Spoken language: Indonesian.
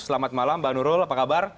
selamat malam mbak nurul apa kabar